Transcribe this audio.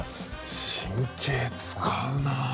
神経使うなあ